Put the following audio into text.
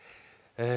え